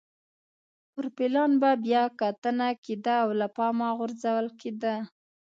پر پلان به بیا کتنه کېده او له پامه غورځول کېده.